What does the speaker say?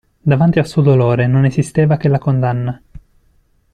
Davanti al suo dolore non esisteva che la condanna.